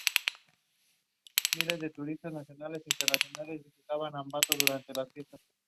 Se crio en Salford.